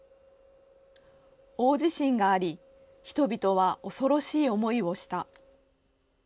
大地震があり人々は恐ろしい思いをした。